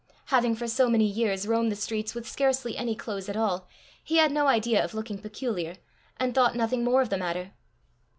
Having for so many years roamed the streets with scarcely any clothes at all, he had no idea of looking peculiar, and thought nothing more of the matter.